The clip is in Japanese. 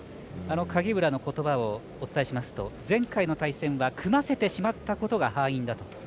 影浦のことばをお伝えしますと前回の対戦は組ませてしまったことが敗因だと。